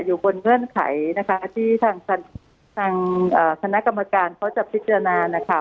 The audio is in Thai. อยู่บนเงื่อนไขนะคะที่ทางคณะกรรมการเขาจะพิจารณานะคะ